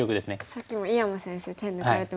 さっきも井山先生手抜かれてましたもんね。